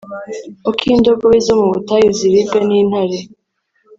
uko indogobe zo mu butayu ziribwa n'intare